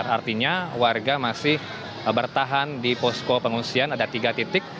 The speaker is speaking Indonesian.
artinya warga masih bertahan di posko pengungsian ada tiga titik